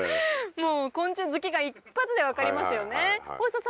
もう昆虫好きが一発で分かりますよね。